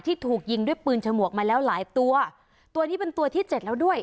ถูกยิงด้วยปืนฉมวกมาแล้วหลายตัวตัวนี้เป็นตัวที่เจ็ดแล้วด้วย